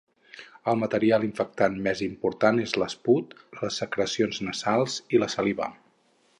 El material infectant més important és l'esput, les secrecions nasals i la saliva.